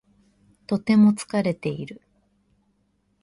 とても疲れている。